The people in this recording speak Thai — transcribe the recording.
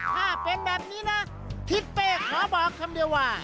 ถ้าเป็นแบบนี้นะทิศเป้ขอบอกคำเดียวว่า